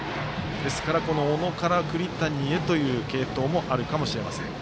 ですから小野から栗谷へという継投もあるかもしれません。